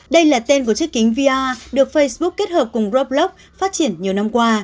đây là tên của chiếc kính vr được facebook kết hợp cùng roblox phát triển nhiều năm qua